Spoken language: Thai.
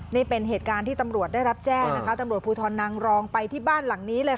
นี่เป็นเหตุการณ์ที่ตำรวจได้รับแจ้งนะคะตำรวจภูทรนางรองไปที่บ้านหลังนี้เลยค่ะ